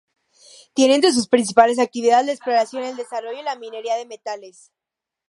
Tiene, entre sus principales actividades, la exploración, el desarrollo y la minería de metales.